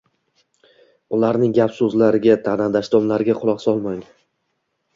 Ularning gap-so‘zlariga, ta’na- dashnomlariga quloq solmang.